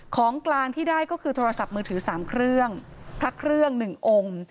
ของกลางที่ได้ก็คือโทรศัพท์มือถือ๓เครื่องพระเครื่อง๑องค์